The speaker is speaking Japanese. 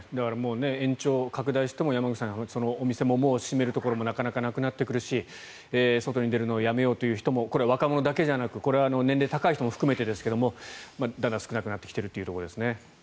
延長拡大しても、山口さんお店ももう閉めるところもなかなかなくなってくるし外に出るのをやめようという人もこれは若者だけじゃなくてだんだん少なくなってきているところですね。